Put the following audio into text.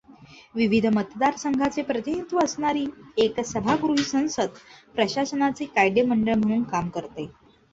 विविध मतदारसंघांचे प्रतिनिधित्व असणारी एकसभागृही संसद प्रशासनाचे कायदेमंडळ म्हणून काम करते.